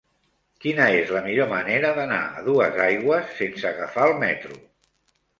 Quina és la millor manera d'anar a Duesaigües sense agafar el metro?